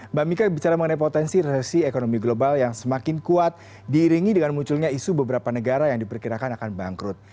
mbak mika bicara mengenai potensi resesi ekonomi global yang semakin kuat diiringi dengan munculnya isu beberapa negara yang diperkirakan akan bangkrut